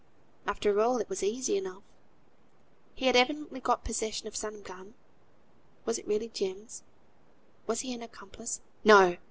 After all it was easy enough. He had evidently got possession of some gun (was it really Jem's; was he an accomplice? No!